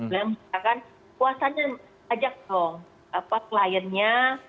dan misalkan kuasanya ajak dong kliennya